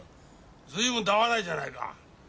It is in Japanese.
ずいぶんと会わないじゃないか。